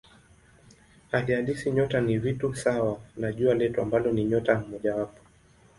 Hali halisi nyota ni vitu sawa na Jua letu ambalo ni nyota mojawapo.